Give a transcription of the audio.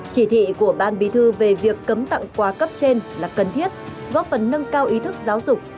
chỉ thị của ban bí thư về việc cấm tặng quà cấp trên là cần thiết góp phần nâng cao ý thức giáo dục